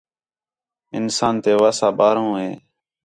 اِنسان تے وَس آ ٻاہروں ہے